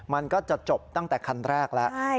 มันก็จะจบตั้งแต่คันแรกแล้ว